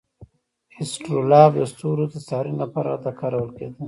اسټرولاب د ستورو د څارنې لپاره هلته کارول کیده.